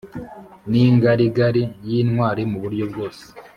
n’ingarigari y’intwari muburyo bwose